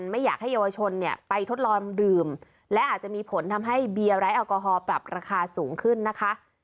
ไม่อยากให้เยาวชนเนี่ยไปทดลองดื่มและอาจจะมีผลทำให้เบียร์ไร้แอลกอฮอล์ปรับราคาสูงขึ้นนะคะ